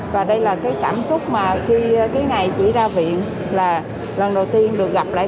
và đây là cái cảm xúc mà khi cái ngày chị ra viện là lần đầu tiên được gặp lại con chị